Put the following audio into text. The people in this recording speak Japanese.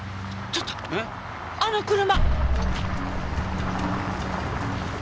ちょっとあの車！